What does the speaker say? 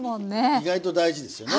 意外と大事ですよね。